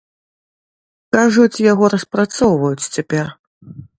Кажуць, яго распрацоўваюць цяпер.